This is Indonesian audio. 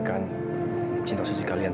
hal ini divide lee di dalamnya